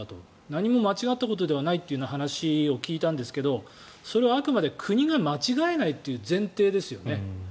何も間違ったことではないという話を聞いたんですがそれはあくまで国が間違えないという前提ですよね。